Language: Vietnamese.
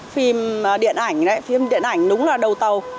phim điện ảnh đúng là đầu tàu